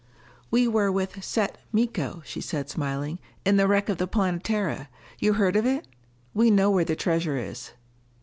"We were with Set Miko," she said smilingly, "in the wreck of the Planetara. You heard of it? We know where the treasure is."